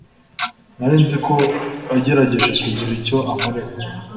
Nari nzi ko yagerageje kugira icyo ankorera